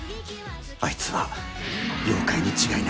あいつは妖怪に違いない。